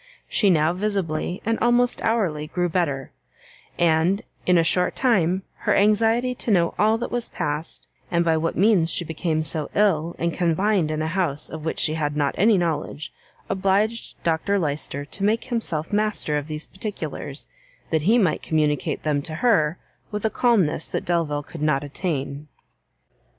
She now visibly, and almost hourly grew better; and, in a short time, her anxiety to know all that was passed, and by what means she became so ill, and confined in a house of which she had not any knowledge, obliged Dr Lyster to make himself master of these particulars, that he might communicate them to her with a calmness that Delvile could not attain.